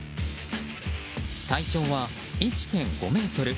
体長は１．５ｍ。